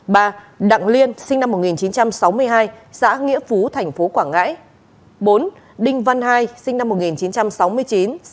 sáu trần thị máy sinh năm một nghìn chín trăm sáu mươi tám xã nghĩa hà tp quảng ngãi tử vong tại bệnh viện